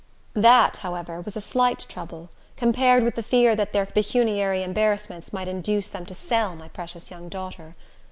That, however, was a slight trouble, compared with the fear that their pecuniary embarrassments might induce them to sell my precious young daughter.